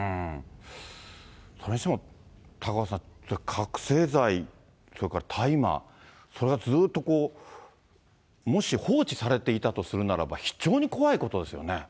それにしても、高岡さん、覚醒剤それから大麻、それがずっともし放置されていたとするならば、非常に怖いことですよね。